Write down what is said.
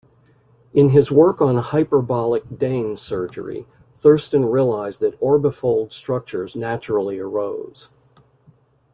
In his work on hyperbolic Dehn surgery, Thurston realized that orbifold structures naturally arose.